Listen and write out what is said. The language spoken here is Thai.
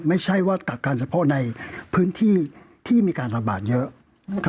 ไม่ใช่ว่าตักการเฉพาะในพื้นที่ที่มีการระบาดเยอะ